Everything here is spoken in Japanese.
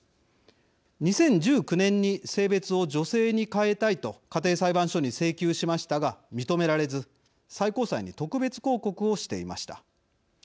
２０１９年に性別を女性に変えたいと家庭裁判所に請求しましたが認められず最高裁に特別抗告をしていました。